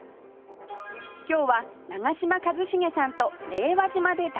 今日は長嶋一茂さんと令和島で大冒険です